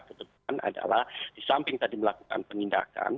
kepala daerah yang ke depan adalah disamping tadi melakukan penindakan